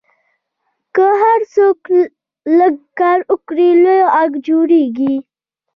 که هر څوک لږ کار وکړي، لوی غږ جوړېږي.